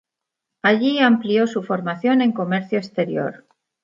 Allí amplió su formación en Comercio Exterior.